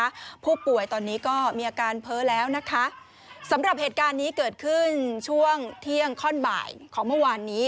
ผู้ป่วยตอนนี้ก็มีอาการเพ้อแล้วนะคะสำหรับเหตุการณ์นี้เกิดขึ้นช่วงเที่ยงข้อนบ่ายของเมื่อวานนี้